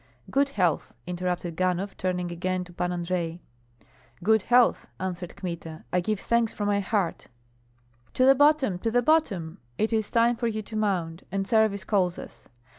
"Good health!" interrupted Ganhoff, turning again to Pan Andrei. "Good health!" answered Kmita, "I give thanks from my heart." "To the bottom, to the bottom! It is time for you to mount, and service calls us.